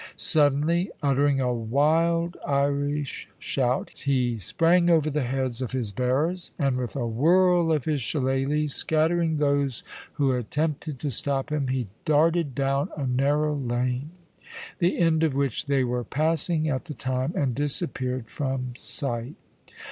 Suddenly uttering a wild Irish shout, he sprang over the heads of his bearers, and with a whirl of his shillaly, scattering those who attempted to stop him, he darted down a narrow lane, the end of which they were passing at the time, and disappeared from sight.